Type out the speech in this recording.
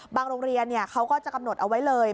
โรงเรียนเขาก็จะกำหนดเอาไว้เลย